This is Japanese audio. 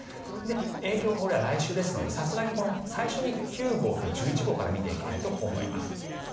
影響は来週ですので台風９号と１１号から見ていきたいと思います。